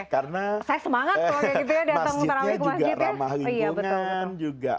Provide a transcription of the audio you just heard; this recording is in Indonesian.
karena masjidnya juga ramah lingkungan